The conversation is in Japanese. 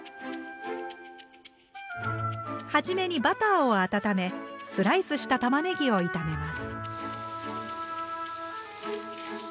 初めにバターを温めスライスしたたまねぎを炒めます。